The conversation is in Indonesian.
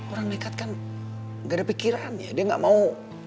orang nekat kan gak ada pikiran ya dia gak mau